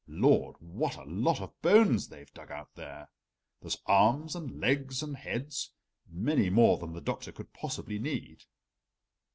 Lord, what a lot of bones they've dug out there! There's arms and legs and heads, many more than the Doctor could possibly need."